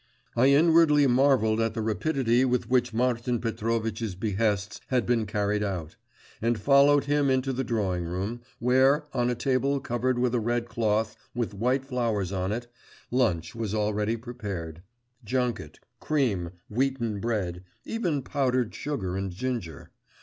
I inwardly marvelled at the rapidity with which Martin Petrovitch's behests had been carried out; and followed him into the drawing room, where, on a table covered with a red cloth with white flowers on it, lunch was already prepared: junket, cream, wheaten bread, even powdered sugar and ginger.